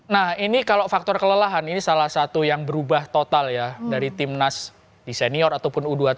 nah ini kalau faktor kelelahan ini salah satu yang berubah total ya dari timnas di senior ataupun u dua puluh tiga